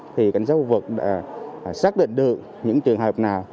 thì cảnh sát khu vực đã xác định được những trường hợp nào